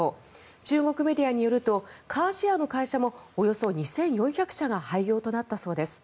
中国メディアによるとカーシェアの会社もおよそ２４００社が廃業となったそうです。